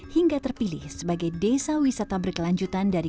hingga terpilih sebagai desa wisata berkelanjutan dari